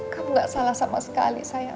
kamu gak salah sama sekali saya